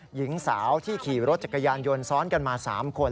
หญิงสาวที่ขี่รถจักรยานยนต์ซ้อนกันมา๓คน